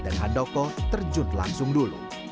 dan handoko terjun langsung dulu